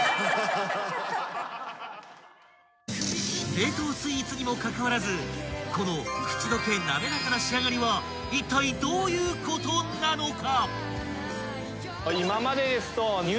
［冷凍スイーツにもかかわらずこの口溶けなめらかな仕上がりはいったいどういうことなのか⁉］